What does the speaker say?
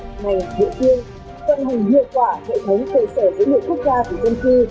phân hành hiệu quả hệ thống cơ sở dữ liệu quốc gia và dân cư